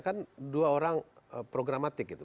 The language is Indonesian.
kan dua orang programatik gitu